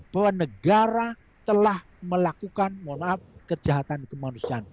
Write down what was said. bahwa negara telah melakukan mohon maaf kejahatan kemanusiaan